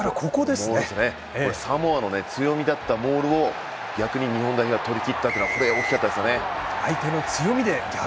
サモアの強みだったモールを逆に日本代表がとりきったというのは大きかったですね。